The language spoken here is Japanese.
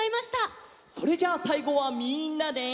それじゃあさいごはみんなで。